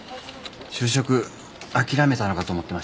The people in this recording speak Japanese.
就職あきらめたのかと思ってました。